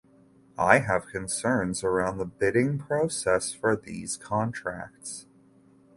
I have concerns around the bidding process for these contracts.